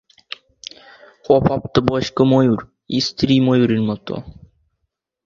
অপ্রাপ্তবয়স্ক ময়ূর স্ত্রী ময়ূরের মত।